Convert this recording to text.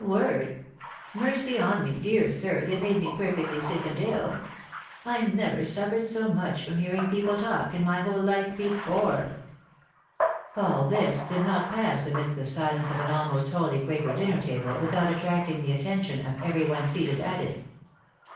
" Worth ? Mercy on me, dear sir, they made me perfectly sick and ill. I never suffered so much from hearing people talk, in my whole hfe before." All this did not pass amidst the silence of an almost wholly quaker dinner table, without attracting the attention of every one seated at it.